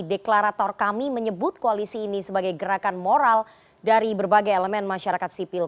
deklarator kami menyebut koalisi ini sebagai gerakan moral dari berbagai elemen masyarakat sipil